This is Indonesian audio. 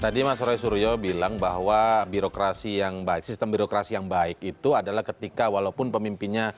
tadi mas roy suryo bilang bahwa sistem birokrasi yang baik itu adalah ketika walaupun pemimpinnya